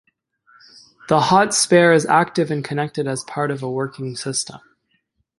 The hot spare is active and connected as part of a working system.